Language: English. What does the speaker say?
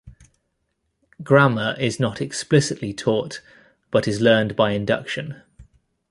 Grammar is not explicitly taught, but is learned by induction.